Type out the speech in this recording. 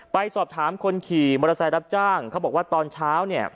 ไปสอบถามคนขี่มอเตอร์ไซค์รับจ้างเขาบอกว่าตอนเช้าเนี่ย